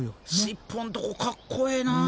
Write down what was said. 尻尾んとこかっこええな。